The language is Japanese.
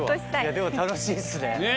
でも楽しいですね。